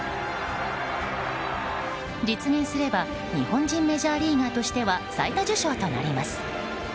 実現すれば日本人メジャーリーガーとしては最多受賞となります。